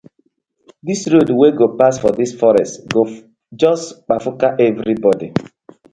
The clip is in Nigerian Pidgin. Dis road wey go pass for dis forest go just kpafuka everybodi.